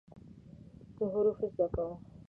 زه حروف زده کوم.